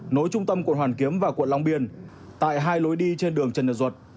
nối trung tâm quận hoàn kiếm và quận long biên tại hai lối đi trên đường trần nhật duật